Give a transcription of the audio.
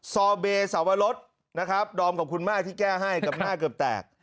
ซอเบสวรสนะครับดอมขอบคุณมากที่แก้ให้กับหน้าเกือบแตก